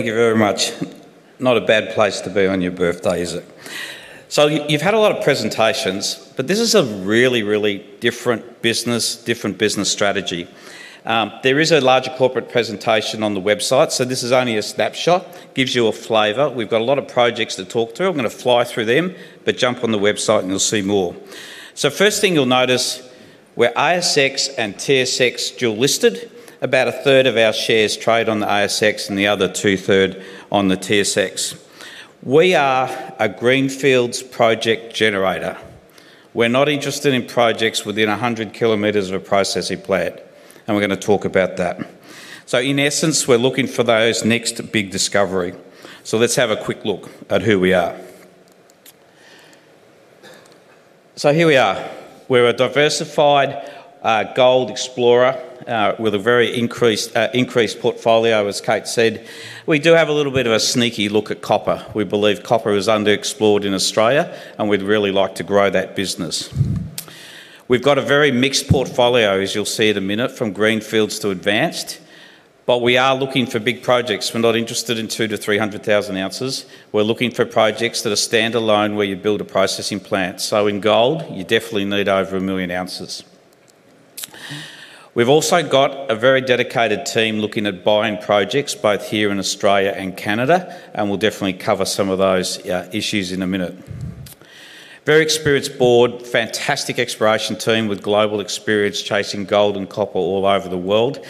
Thank you very much. Not a bad place to be on your birthday, is it? You've had a lot of presentations, but this is a really, really different business, different business strategy. There is a larger corporate presentation on the website. This is only a snapshot. It gives you a flavor. We've got a lot of projects to talk through. I'm going to fly through them, but jump on the website and you'll see more. The first thing you'll notice, we're ASX and TSX dual-listed. About a third of our shares trade on the ASX and the other two-thirds on the TSX. We are a greenfields project generator. We're not interested in projects within 100 kilometers of a processing plant, and we're going to talk about that. In essence, we're looking for those next big discoveries. Let's have a quick look at who we are. Here we are. We're a diversified gold explorer with a very increased portfolio, as Kate said. We do have a little bit of a sneaky look at copper. We believe copper is underexplored in Australia, and we'd really like to grow that business. We've got a very mixed portfolio, as you'll see in a minute, from greenfields to advanced. We are looking for big projects. We're not interested in two to three hundred thousand ounces. We're looking for projects that are standalone where you build a processing plant. In gold, you definitely need over a million ounces. We've also got a very dedicated team looking at buying projects both here in Australia and Canada, and we'll definitely cover some of those issues in a minute. Very experienced board, fantastic exploration team with global experience chasing gold and copper all over the world.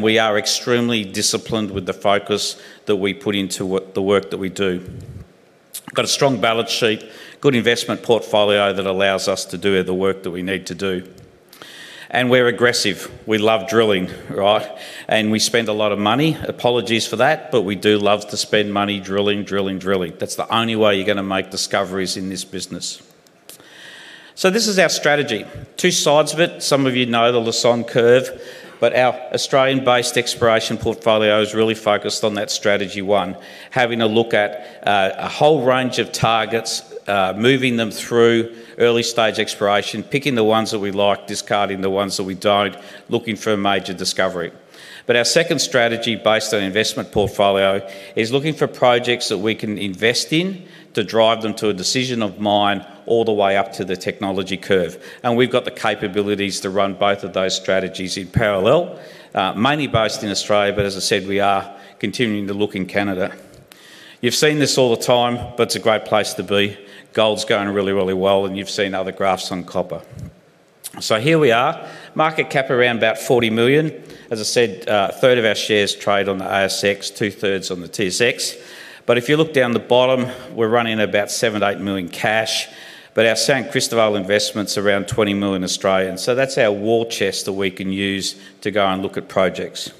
We are extremely disciplined with the focus that we put into the work that we do. Got a strong balance sheet, good investment portfolio that allows us to do the work that we need to do. We're aggressive. We love drilling, right? We spend a lot of money. Apologies for that, but we do love to spend money drilling, drilling, drilling. That's the only way you're going to make discoveries in this business. This is our strategy. Two sides of it. Some of you know the LeSonne curve, but our Australian-based exploration portfolio is really focused on that strategy one, having a look at a whole range of targets, moving them through early-stage exploration, picking the ones that we like, discarding the ones that we don't, looking for a major discovery. Our second strategy, based on investment portfolio, is looking for projects that we can invest in to drive them to a decision of mine all the way up to the technology curve. We've got the capabilities to run both of those strategies in parallel, mainly based in Australia, but as I said, we are continuing to look in Canada. You've seen this all the time, but it's a great place to be. Gold's going really, really well, and you've seen other graphs on copper. Here we are, market cap around about $40 million. As I said, a third of our shares trade on the ASX, two-thirds on the TSX. If you look down the bottom, we're running about $7 million to $8 million cash, but our San Cristobal investments are around $20 million Australian. That's our war chest that we can use to go and look at projects.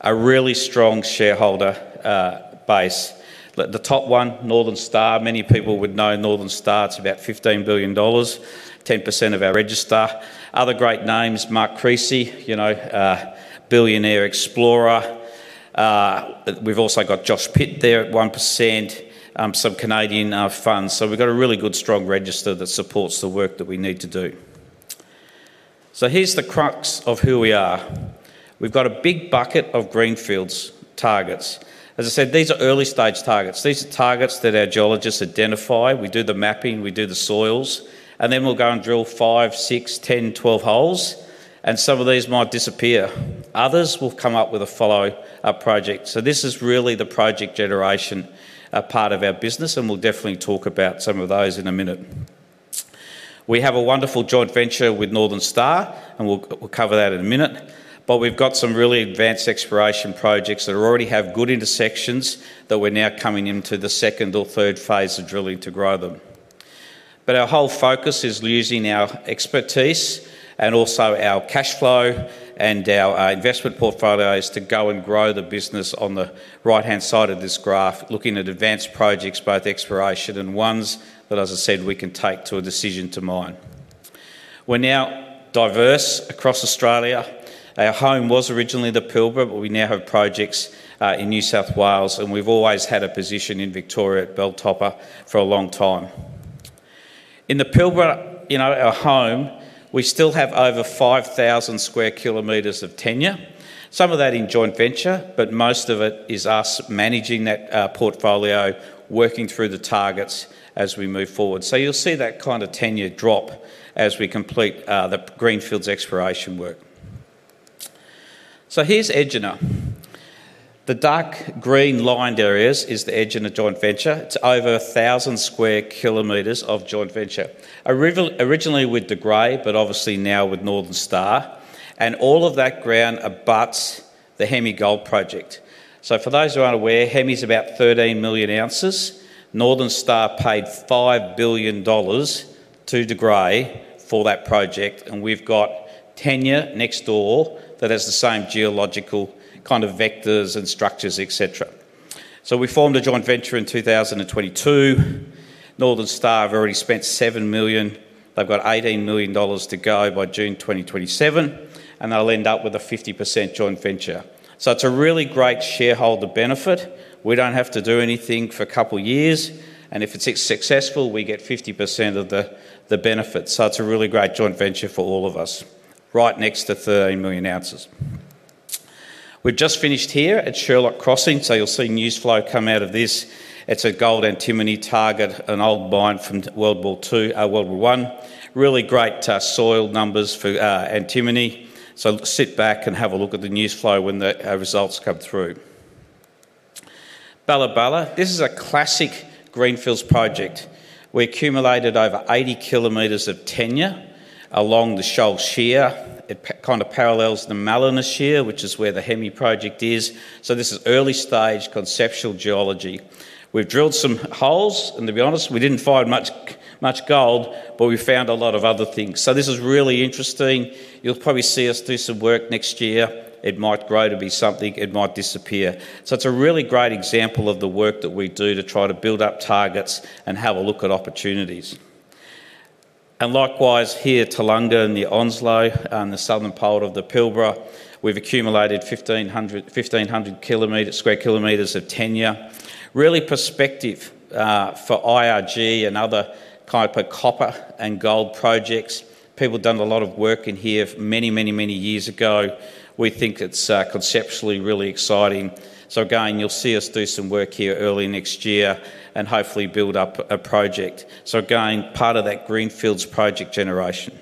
A really strong shareholder base. The top one, Northern Star. Many people would know Northern Star. It's about $15 billion, 10% of our register. Other great names, Mark Creasy, you know, billionaire explorer. We've also got Josh Pitt there, 1%, some Canadian funds. We've got a really good, strong register that supports the work that we need to do. Here's the crux of who we are. We've got a big bucket of greenfields targets. As I said, these are early-stage targets. These are targets that our geologists identify. We do the mapping, we do the soils, and then we'll go and drill five, six, 10, 12 holes, and some of these might disappear. Others will come up with a follow-up project. This is really the project generation part of our business, and we'll definitely talk about some of those in a minute. We have a wonderful joint venture with Northern Star, and we'll cover that in a minute. We've got some really advanced exploration projects that already have good intersections that we're now coming into the second or third phase of drilling to grow them. Our whole focus is using our expertise and also our cash flow and our investment portfolios to go and grow the business on the right-hand side of this graph, looking at advanced projects, both exploration and ones that, as I said, we can take to a decision to mine. We're now diverse across Australia. Our home was originally the Pilbara, but we now have projects in New South Wales, and we've always had a position in Victoria at Beltopper for a long time. In the Pilbara, our home, we still have over 5,000 square kilometers of tenure. Some of that in joint venture, but most of it is us managing that portfolio, working through the targets as we move forward. You'll see that kind of tenure drop as we complete the greenfields exploration work. Here's Egina. The dark green lined areas is the Egina joint venture. It's over 1,000 square kilometers of joint venture, originally with De Grey, but obviously now with Northern Star Resources. All of that ground abuts the Hemi Gold Project. For those who aren't aware, Hemi's about 13 million ounces. Northern Star Resources paid $5 billion to De Grey for that project. We've got tenure next door that has the same geological kind of vectors and structures, et cetera. We formed a joint venture in 2022. Northern Star Resources have already spent $7 million. They've got $18 million to go by June 2027, and they'll end up with a 50% joint venture. It's a really great shareholder benefit. We don't have to do anything for a couple of years. If it's successful, we get 50% of the benefits. It's a really great joint venture for all of us, right next to 13 million ounces. We've just finished here at Sherlock Crossing, so you'll see news flow come out of this. It's a gold-antimony target, an old mine from World War I. Really great soil numbers for antimony. Sit back and have a look at the news flow when the results come through. Bala Bala, this is a classic greenfields project. We accumulated over 80 kilometers of tenure along the Shoal Shear. It kind of parallels the Mallina Shear, which is where the Hemi Gold Project is. This is early-stage conceptual geology. We've drilled some holes, and to be honest, we didn't find much gold, but we found a lot of other things. This is really interesting. You'll probably see us do some work next year. It might grow to be something. It might disappear. It's a really great example of the work that we do to try to build up targets and have a look at opportunities. Likewise here, Toolunga near Onslow on the southern pole of the Pilbara, we've accumulated 1,500 square kilometers of tenure. Really prospective for IRG and other copper-gold projects. People have done a lot of work in here many, many, many years ago. We think it's conceptually really exciting. You'll see us do some work here early next year and hopefully build up a project. Part of that greenfields project generation.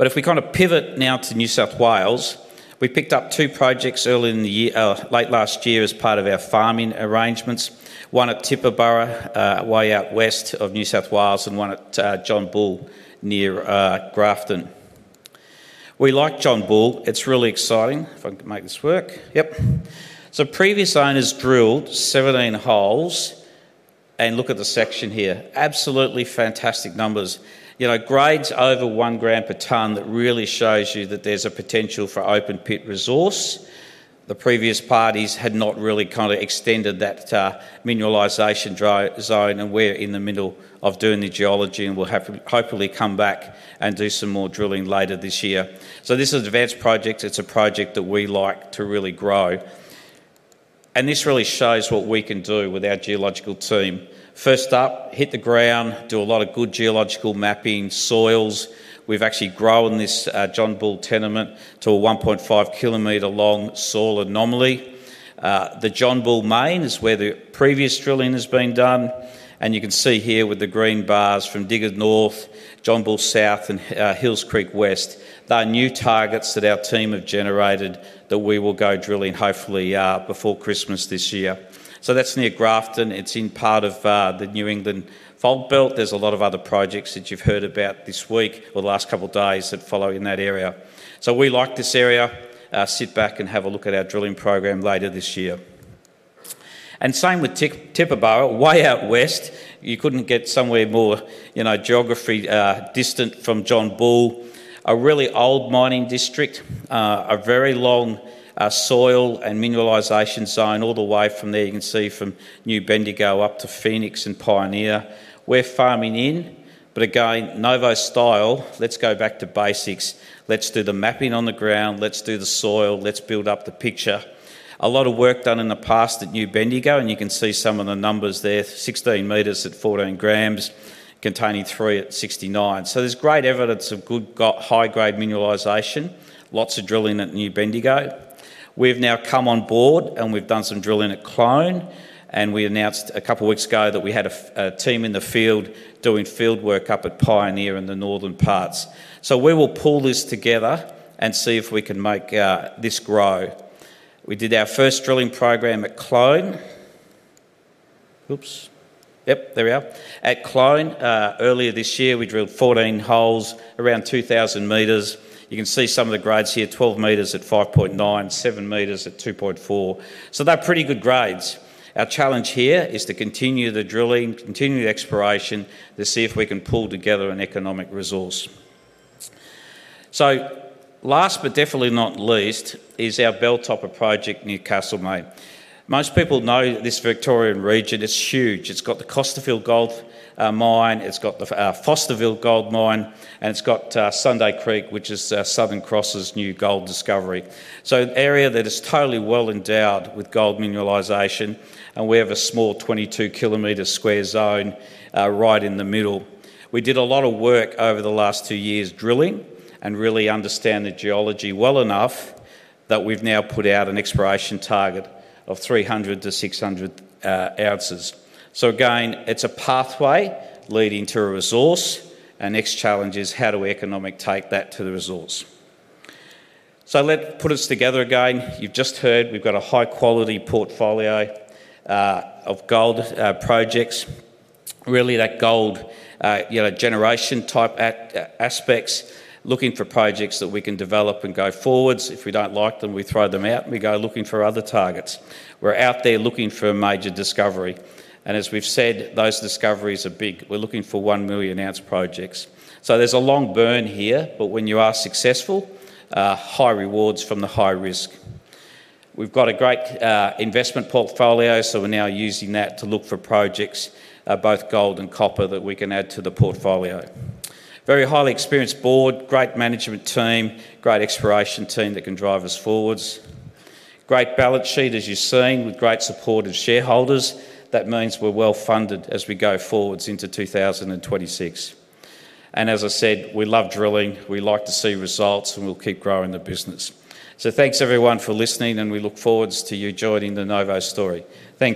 If we pivot now to New South Wales, we picked up two projects early in the year, late last year as part of our farming arrangements. One at Tibooburra, way out west of New South Wales, and one at John Bull near Grafton. We like John Bull. It's really exciting. If I can make this work. Yep. Previous owners drilled 17 holes. Look at the section here. Absolutely fantastic numbers. Grades over 1 gram per ton. That really shows you that there's a potential for open pit resource. The previous parties had not really extended that mineralization zone, and we're in the middle of doing the geology, and we'll hopefully come back and do some more drilling later this year. This is an advanced project. It's a project that we like to really grow. This really shows what we can do with our geological team. First up, hit the ground, do a lot of good geological mapping, soils. We've actually grown this John Bull tenement to a 1.5 kilometer long soil anomaly. The John Bull main is where the previous drilling has been done. You can see here with the green bars from Diggard North, John Bull South, and Hills Creek West. They're new targets that our team have generated that we will go drilling hopefully before Christmas this year. That's near Grafton. It's in part of the New England Fault Belt. There's a lot of other projects that you've heard about this week or the last couple of days that follow in that area. We like this area. Sit back and have a look at our drilling program later this year. Same with Tibooburra, way out west. You couldn't get somewhere more geography distant from John Bull. A really old mining district, a very long soil and mineralization zone all the way from there. You can see from New Bendigo up to Phoenix and Pioneer. We're farming in, but again, Novo style. Let's go back to basics. Let's do the mapping on the ground. Let's do the soil. Let's build up the picture. A lot of work done in the past at New Bendigo, and you can see some of the numbers there. 16 meters at 14 grams, containing 3 at 69. There's great evidence of good, high-grade mineralization. Lots of drilling at New Bendigo. We've now come on board and we've done some drilling at Clone. We announced a couple of weeks ago that we had a team in the field doing field work up at Pioneer in the northern parts. We will pull this together and see if we can make this grow. We did our first drilling program at Clone. Yep, there we are. At Clone, earlier this year, we drilled 14 holes around 2,000 meters. You can see some of the grades here: 12 meters at 5.9, 7 meters at 2.4. They're pretty good grades. Our challenge here is to continue the drilling, continue the exploration to see if we can pull together an economic resource. Last but definitely not least is our Beltopper Project near Castlemaine. Most people know this Victorian region is huge. It's got the Costaville gold mine, it's got the Fosterville gold mine, and it's got Sunday Creek, which is Southern Cross's new gold discovery. An area that is totally well endowed with gold mineralization. We have a small 22-kilometer square zone right in the middle. We did a lot of work over the last two years drilling and really understand the geology well enough that we've now put out an exploration target of 300 to 600 ounces. It's a pathway leading to a resource. The next challenge is how do we economically take that to the resource. Let's put us together again. You've just heard we've got a high-quality portfolio of gold projects. Really, that gold, you know, generation type aspects. Looking for projects that we can develop and go forward. If we don't like them, we throw them out and we go looking for other targets. We're out there looking for a major discovery. As we've said, those discoveries are big. We're looking for 1 million ounce projects. There's a long burn here, but when you are successful, high rewards from the high risk. We've got a great investment portfolio, so we're now using that to look for projects, both gold and copper, that we can add to the portfolio. Very highly experienced board, great management team, great exploration team that can drive us forwards. Great balance sheet, as you've seen, with great support of shareholders. That means we're well funded as we go forward into 2026. As I said, we love drilling. We like to see results, and we'll keep growing the business. Thanks everyone for listening, and we look forward to you joining the Novo story. Thanks.